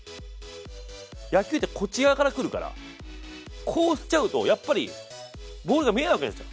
野球ってこっち側から来るからこうしちゃうとやっぱりボールが見えなくなっちゃう。